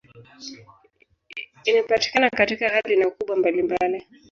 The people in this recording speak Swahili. Inapatikana katika hali na ukubwa mbalimbali.